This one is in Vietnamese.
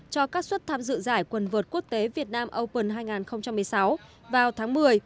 cho các suất tham dự giải quần vượt quốc tế việt nam open hai nghìn một mươi sáu vào tháng một mươi